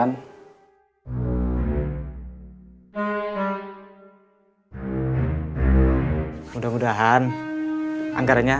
nanti saya ketemu bang edi bahas anggaran